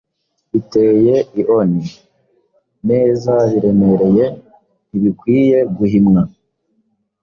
biteye ioni, &neza biremereye, ntibikwiye guhimwa,